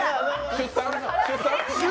出産？